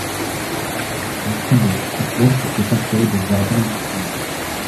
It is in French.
L’ensemble du complexe était entouré de jardins luxuriants.